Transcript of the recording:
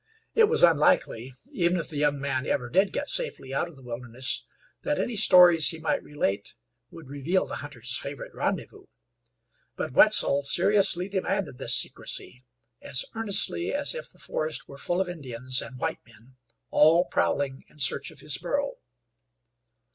It was unlikely, even if the young man ever did get safely out of the wilderness, that any stories he might relate would reveal the hunter's favorite rendezvous. But Wetzel seriously demanded this secrecy, as earnestly as if the forest were full of Indians and white men, all prowling in search of his burrow.